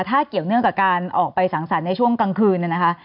ถ้าเกี่ยวเนื่องกับการออกไปสังสรรค์ในช่วงกลางคืนนะคะ